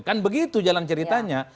kan begitu jalan ceritanya